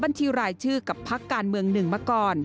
บรรทีไหลชื่อกับพักการเมือง๑มาก่อน